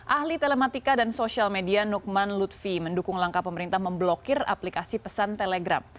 ahli telematika dan sosial media nukman lutfi mendukung langkah pemerintah memblokir aplikasi pesan telegram